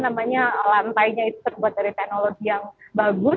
yang memang lantainya itu terbuat dari teknologi yang bagus